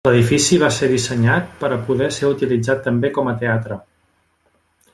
L'edifici va ser dissenyat per a poder ser utilitzat també com a teatre.